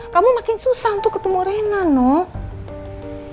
kamu makin susah untuk ketemu rena noh